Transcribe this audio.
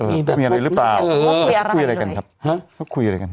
มีคุยอะไรหรือเปล่าเออคุยอะไรกันครับเขาคุยอะไรกัน